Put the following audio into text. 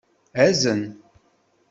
Azen.